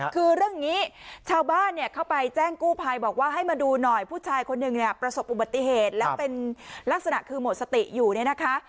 คือเรื่องนี้ชาวบ้านเนี่ยเข้าไปแจ้งกู้ภัยบอกว่าให้มาดูหน่อยผู้ชายคนหนึ่งเนี่ยประสบอุบัติเหตุแล้วเป็นลักษณะคือหมดสติอยู่เนี่ยนะคะ